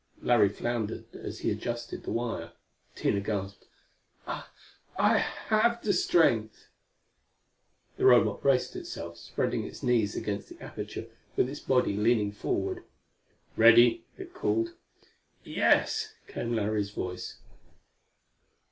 Larry floundered as he adjusted the wire. Tina gasped. "I have the strength." The Robot braced itself, spreading its knees against the aperture with its body leaning forward. "Ready?" it called. "Yes," came Larry's voice.